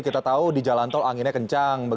kita tahu di jalan tol anginnya kencang